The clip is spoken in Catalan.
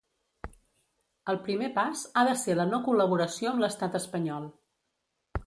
El primer pas ha de ser la no col·laboració amb l’estat espanyol.